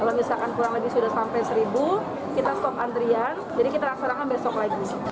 kalau misalkan kurang lebih sudah sampai seribu kita stop antrian jadi kita laksanakan besok lagi